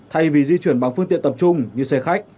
thay vì di chuyển bằng phương tiện tập trung như xe khách